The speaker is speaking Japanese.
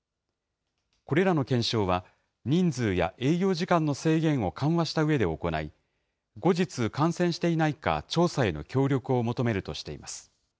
これらの検証は、人数や営業時間の制限を緩和したうえで行い、後日、感染していないか、調査への協力を求めるとしています。